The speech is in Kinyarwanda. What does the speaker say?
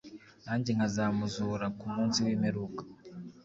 nanjye nkazamuzura ku munsi w'imperuka.